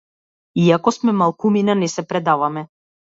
Иако сме малкумина не се предаваме.